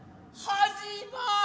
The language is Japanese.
始まり！